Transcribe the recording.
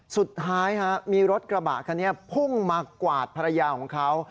สุดท้ายมีรถกระบะคันนี้พุ่งมากวาดภรรยาของเขา